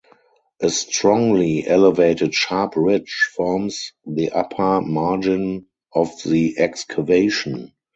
A strongly elevated sharp ridge forms the upper margin of the excavation.